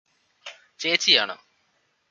ചേച്ചിയാണ്